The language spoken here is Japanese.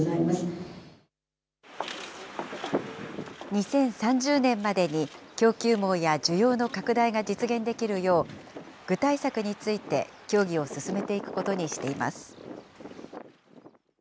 ２０３０年までに供給網や需要の拡大が実現できるよう、具体策について協議を進めていくことにしています。